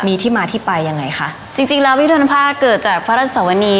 มีที่มาที่ไปยังไงค่ะจริงแล้วพิพธภัณฑ์ผ้าเกิดจากพระราชสาวโอนี